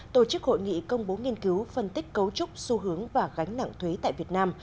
tổ chức hội nghị công bố nghiên cứu phân tích cấu trúc xu hướng và gánh nặng thuế tại việt nam